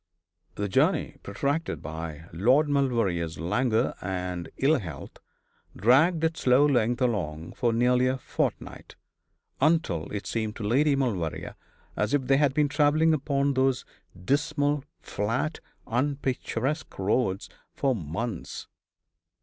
The journey, protracted by Lord Maulevrier's languor and ill health, dragged its slow length along for nearly a fortnight; until it seemed to Lady Maulevrier as if they had been travelling upon those dismal, flat, unpicturesque roads for months.